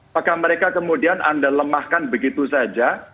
apakah mereka kemudian anda lemahkan begitu saja